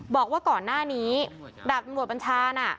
บอกว่าก่อนหน้านี้ดาบตำรวจบัญชาน่ะ